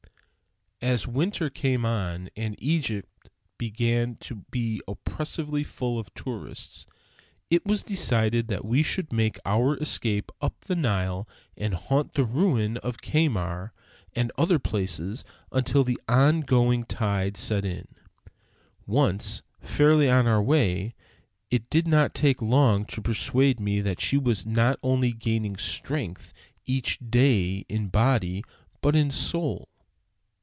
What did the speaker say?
As winter came on and Egypt began to be oppressively full of tourists, it was decided that we should make our escape up the Nile and haunt the ruin of Kamak and other places until the outgoing tide set in. Once fairly on our way, it did not take long to persuade me that she was not only gaining strength each day in body but in soul.